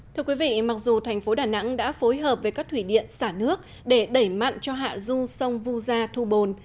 thưa quý vị mặc dù thành phố đà nẵng đã phối hợp với các thủy điện xả nước để đẩy mặn cho hạ du sông vu gia thu bồn